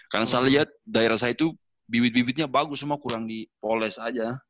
karena saya lihat daerah saya itu bibit bibitnya bagus cuma kurang dipoles aja